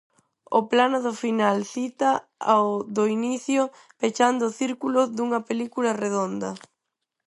O plano do final cita ao do inicio, pechando o círculo dunha 'película redonda'.